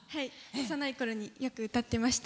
幼いころによく歌ってもらいました。